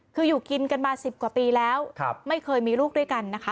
คืออยู่กินกันมา๑๐กว่าปีแล้วไม่เคยมีลูกด้วยกันนะคะ